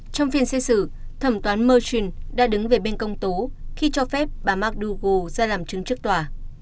trong phiên xét xử thẩm toán merchant đã đứng về bên công tố khi cho phép bà mcdougal ra làm chứng chức tòa